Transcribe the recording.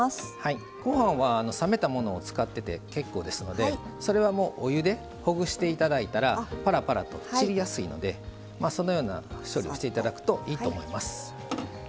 ごはんは冷めたものを使ってて結構ですのでそれはもうお湯でほぐしていただいたらぱらぱらと散りやすいのでそのような処理をしていただくといいと思います。